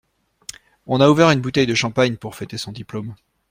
On a ouvert une bouteille de champagne pour fêter son diplôme.